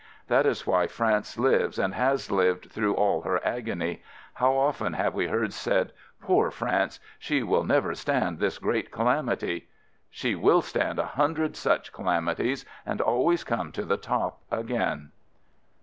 That is why France lives and has lived through all her agony. How often have we heard said "Poor France! She will never stand this great calamity !" She will stand a hundred such calamities and always come to the top again!